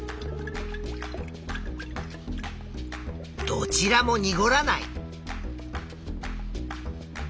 どちらもにごらない。